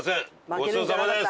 ごちそうさまです！